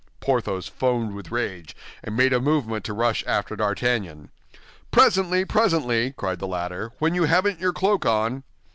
Porthos foamed with rage, and made a movement to rush after D'Artagnan. "Presently, presently," cried the latter, "when you haven't your cloak on."